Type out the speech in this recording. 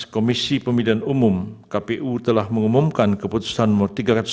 komisi pemilihan umum kpu telah mengumumkan keputusan nomor tiga ratus empat puluh